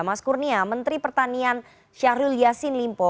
mas kurnia menteri pertanian syahrul yassin limpo